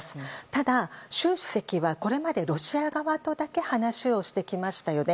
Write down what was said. ただ、習主席はこれまでロシア側とだけ話をしてきましたよね。